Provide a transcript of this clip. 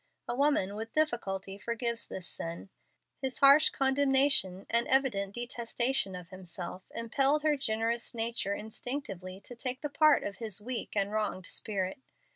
A woman with difficulty forgives this sin. His harsh condemnation and evident detestation of himself impelled her generous nature instinctively to take the part of his weak and wronged spirit.